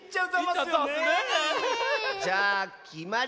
じゃあきまり！